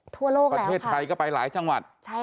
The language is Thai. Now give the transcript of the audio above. ประเทศไทยก็ไปหลายจังหวัด